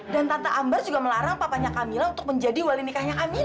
dan tante ambar juga melarang papanya kamila untuk menjadi wali nikahnya kamila